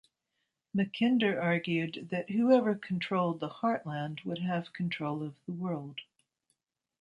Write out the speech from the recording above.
Mackinder argued that whoever controlled the Heartland would have control of the world.